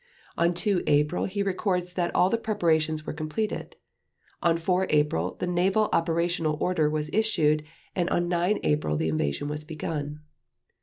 On 2 April he records that all the preparations are completed; on 4 April the Naval Operational Order was issued; and on 9 April, the invasion was begun.